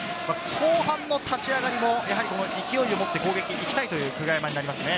後半の立ち上がりもやはり勢いを持って、攻撃に行きたいという久我山になりますね。